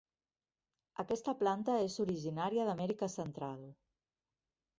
Aquesta planta és originària d'Amèrica Central.